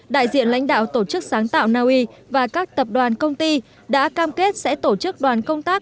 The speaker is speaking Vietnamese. đại diện lãnh đạo tổ chức sáng tạo naui và các tập đoàn công ty đã cam kết sẽ tổ chức đoàn công tác